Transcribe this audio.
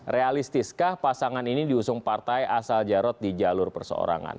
realistiskah pasangan ini diusung partai asal jarod di jalur perseorangan